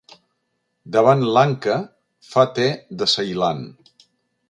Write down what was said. Davant Lanka fa te de Ceilan.